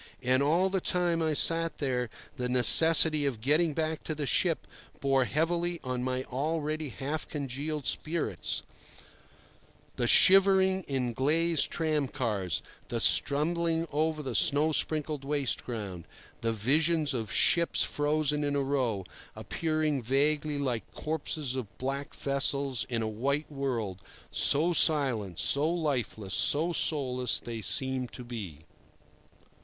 And all the time I sat there the necessity of getting back to the ship bore heavily on my already half congealed spirits—the shivering in glazed tramcars, the stumbling over the snow sprinkled waste ground, the vision of ships frozen in a row, appearing vaguely like corpses of black vessels in a white world, so silent, so lifeless, so soulless they seemed to be.